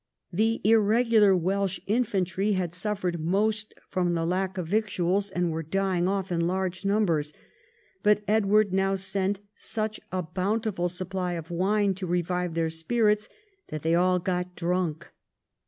The irregular Welsh infantry had suffered most from the lack of victuals, and were dying off in large numbers; but Edward now sent such a bounti ful supply of wine to revive their spirits that they all got drunk.